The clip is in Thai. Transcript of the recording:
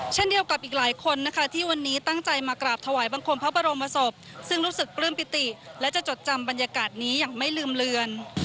เช่นเดียวกับอีกหลายคนนะคะที่วันนี้ตั้งใจมากราบถวายบังคมพระบรมศพซึ่งรู้สึกปลื้มปิติและจะจดจำบรรยากาศนี้อย่างไม่ลืมเลือน